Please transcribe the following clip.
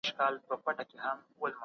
زموږ په ټولنه کې وران حساب کېږي.